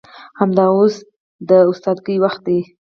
همدا اوس د استادګۍ وخت دى.